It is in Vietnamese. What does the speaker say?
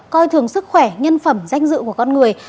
coi thường sức khỏe nhân phẩm danh dự của con người